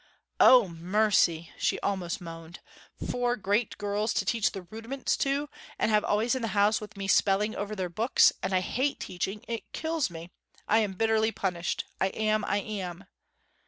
'O, mercy!' she almost moaned. 'Four great girls to teach the rudiments to, and have always in the house with me spelling over their books; and I hate teaching, it kills me. I am bitterly punished I am, I am!'